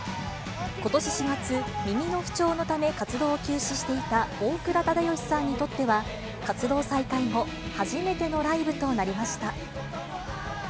ことし４月、耳の不調のため、活動を休止していた大倉忠義さんにとっては、活動再開後、初めてのライブとなりました。